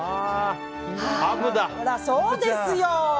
ほら、そうですよ。